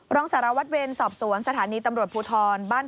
รองสารวัตเวลสอบสวนสถานีตำรวจภูโทร